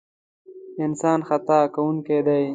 انسان خطا کوونکی دی.